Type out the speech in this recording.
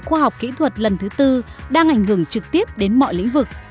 khoa học kỹ thuật lần thứ tư đang ảnh hưởng trực tiếp đến mọi lĩnh vực